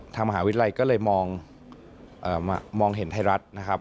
ทางมหาวิทยาลัยก็เลยมองเห็นไทยรัฐนะครับ